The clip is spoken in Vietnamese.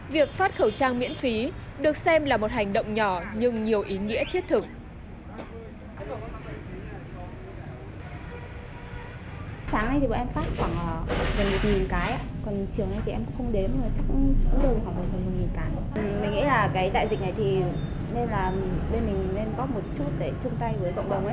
việc phát khẩu trang miễn phí được xem là một hành động nhỏ nhưng nhiều ý nghĩa thiết thử